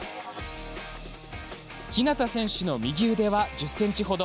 日向選手の右腕は１０ｃｍほど。